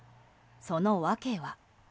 その訳は。